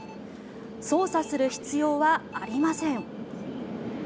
操作する必要はありません。